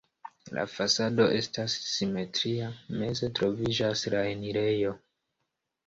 La fasado estas simetria, meze troviĝas la enirejo.